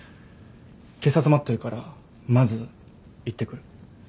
警察待ってるからまず行ってくる。